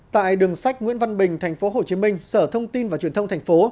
tại đường sách nguyễn văn bình tp hcm sở thông tin và truyền thông thành phố